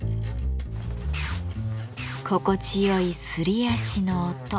心地よいすり足の音。